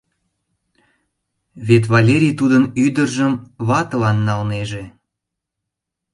Вет Валерий тудын ӱдыржым ватылан налнеже!